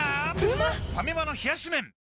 ファミマの冷し麺